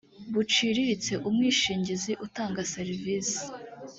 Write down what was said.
buciriritse umwishingizi utanga serivisi